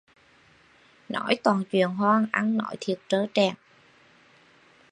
Nói toàn chuyện hoang, ăn nói thiệt trơ trẽn